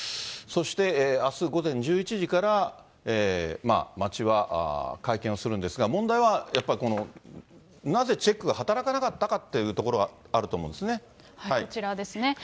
そしてあす午前１１時から、町は会見をするんですが、問題はやっぱりこの、なぜチェックが働かなかったかというところこちらですね。